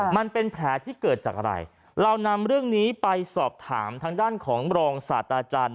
มันเป็นแผลที่เกิดจากอะไรเรานำเรื่องนี้ไปสอบถามทางด้านของรองศาสตราจารย์